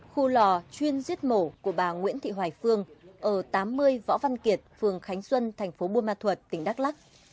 khu lò chuyên giết mổ của bà nguyễn thị hoài phương ở tám mươi võ văn kiệt phường khánh xuân thành phố buôn ma thuật tỉnh đắk lắc